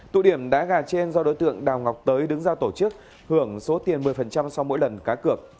tụ điểm đá gà trên do đối tượng đào ngọc tới đứng ra tổ chức hưởng số tiền một mươi sau mỗi lần cá cược